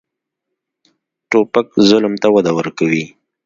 توپک ظلم ته وده ورکوي.